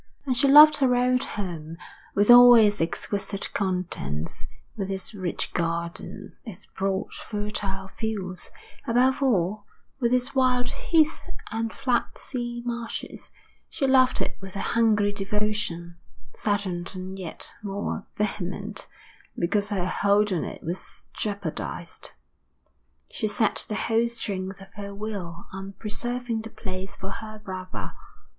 And she loved her old home, with all its exquisite contents, with its rich gardens, its broad, fertile fields, above all with its wild heath and flat sea marshes, she loved it with a hungry devotion, saddened and yet more vehement because her hold on it was jeopardised. She set the whole strength of her will on preserving the place for her brother.